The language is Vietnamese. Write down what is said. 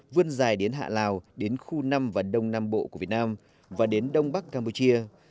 vươn dài đến hạ lào đến khu năm và đông nam bộ của việt nam và đến đông bắc campuchia